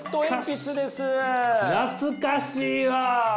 懐かしいわ！